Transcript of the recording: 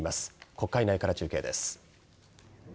国会内から中継です。